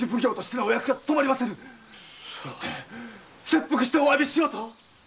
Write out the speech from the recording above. よって切腹してお詫びしようと。